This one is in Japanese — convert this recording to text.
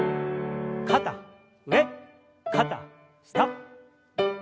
肩上肩下。